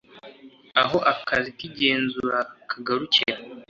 Aho akazi k igenzura kagarukira